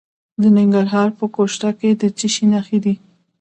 د ننګرهار په ګوشته کې د څه شي نښې دي؟